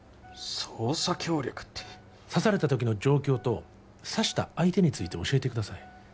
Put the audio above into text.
捜査協力って刺された時の状況と刺した相手について教えてください